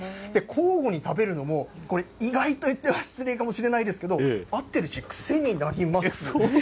交互に食べるのも、これ、意外と言っては失礼かもしれないですけど、合ってるし、癖になります。